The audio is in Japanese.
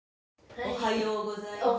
おはようございます。